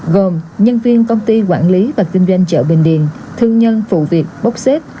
gồm nhân viên công ty quản lý và kinh doanh chợ bình điền thương nhân phụ việc bốc xếp